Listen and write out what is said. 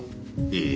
ええ。